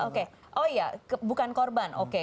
oke oh iya bukan korban oke